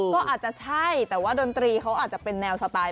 ก็อาจจะใช่แต่ว่าดนตรีเขาอาจจะเป็นแนวสไตล์